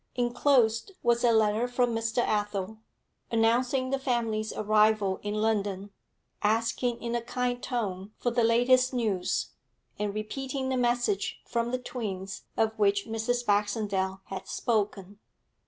Enclosed was a letter from Mr. Athel, announcing the family's arrival in London, asking in a kind tone for the latest news, and repeating the message from the twins of which Mrs. Baxendale had spoken.